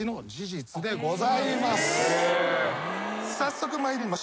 早速参りましょう。